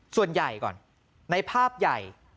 ส่วนใหญ่ก่อนในภาพใหญ่